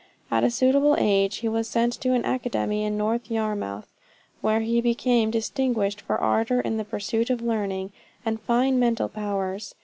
At a suitable age, he was sent to an academy in North Yarmouth, where he became distinguished for ardor in the pursuit of learning, and fine mental powers.